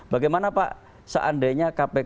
bagaimana pak seandainya kpk